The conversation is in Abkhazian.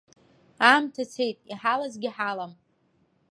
Аамҭа цеит, иҳалазгьы ҳалам.